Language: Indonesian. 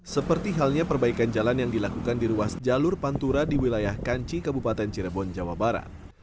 seperti halnya perbaikan jalan yang dilakukan di ruas jalur pantura di wilayah kanci kabupaten cirebon jawa barat